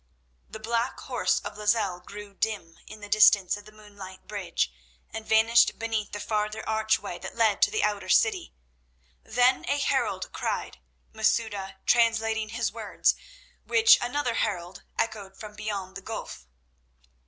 The black horse of Lozelle grew dim in the distance of the moonlit bridge, and vanished beneath the farther archway that led to the outer city. Then a herald cried, Masouda translating his words, which another herald echoed from beyond the gulf.